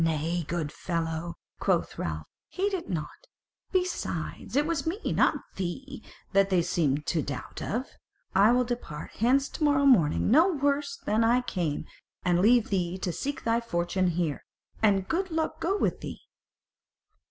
"Nay, good fellow," quoth Ralph, "heed it not: besides, it was me, not thee, that they seemed to doubt of. I will depart hence to morrow morning no worser than I came, and leave thee to seek thy fortune here; and good luck go with thee."